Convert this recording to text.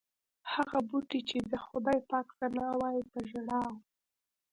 هغه بوټي چې د خدای پاک ثنا وایي په ژړا و.